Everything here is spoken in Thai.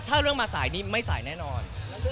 ถ้าเรื่องมาสายนี้ไม่สายแน่นอน